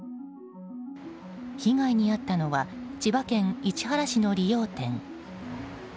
被害に遭ったのは千葉県市原市の理容店。